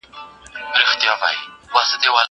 کښته را اسمان کي راته وخاندي